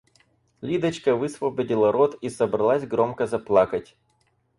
Лидочка высвободила рот и собралась громко заплакать.